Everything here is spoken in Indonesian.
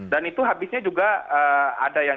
dan itu habisnya juga ada yang